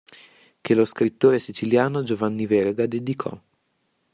Che lo scrittore siciliano Giovanni Verga dedicò.